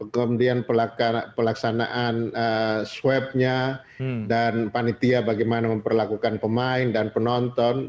kemudian pelaksanaan swabnya dan panitia bagaimana memperlakukan pemain dan penonton